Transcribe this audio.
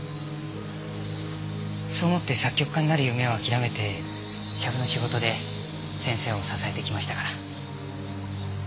そう思って作曲家になる夢を諦めて写譜の仕事で先生を支えてきましたから。